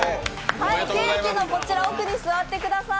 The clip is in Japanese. ケーキの奥に座ってください。